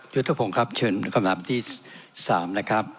ยุทธพงศ์ครับเชิญคำถามที่๓นะครับ